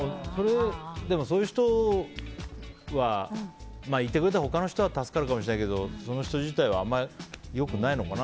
そういう人は言ってくれたら他の人は助かるかもしれないけどその人自体はあんまり良くないのかな。